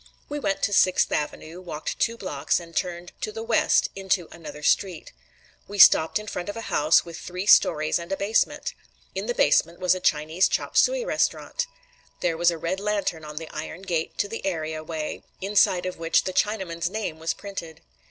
We went to Sixth Avenue, walked two blocks, and turned to the west into another street. We stopped in front of a house with three stories and a basement. In the basement was a Chinese chop suey restaurant. There was a red lantern at the iron gate to the area way, inside of which the Chinaman's name was printed.